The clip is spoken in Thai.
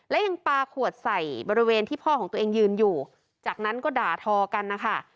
และยังปลาขวดใส่บริเวณที่พ่อของตัวเองยืนอยู่จากนั้นก็ด่าทอกันนะคะ